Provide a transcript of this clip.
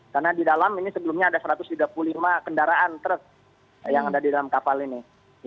karena di dalam ini sebelumnya ada satu ratus tiga puluh lima kendaraan yang ada di dalam kapal ini